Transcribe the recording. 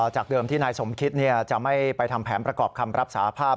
จากเดิมที่นายสมคิดจะไม่ไปทำแผนประกอบคำรับสาภาพ